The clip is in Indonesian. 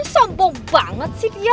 sombong banget sih dia